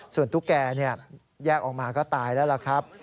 ส่วนตุ๊กแก่แยกออกมาก็ตายแล้วล่ะครับ